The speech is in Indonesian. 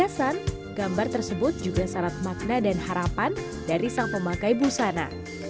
tapi sebatas hiasan gambar tersebut juga sangat makna dan harapan dari sang pemakai busana